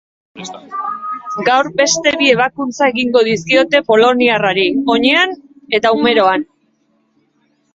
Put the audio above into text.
Gaur beste bi ebakuntza egingo dizkiote poloniarrari, oinean eta humeroan.